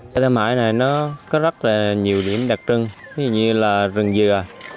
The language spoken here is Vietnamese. xã đảo tam hải này nó có rất là nhiều điểm đặc trưng như là rừng dừa